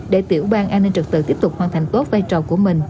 để tiểu ban an ninh trật tự tiếp tục hoàn thành tốt vai trò của mình